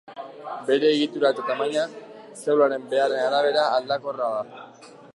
Bere egitura eta tamaina zelularen beharren arabera aldakorra da.